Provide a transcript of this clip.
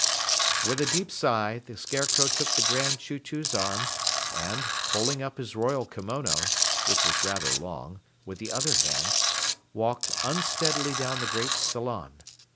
With a deep sigh, the Scarecrow took the Grand Chew Chew's arm and, holding up his royal kimono (which was rather long) with the other hand, walked unsteadily down the great salon.